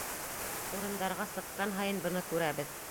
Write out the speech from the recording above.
Урындарға сыҡҡан һайын быны күрәбеҙ.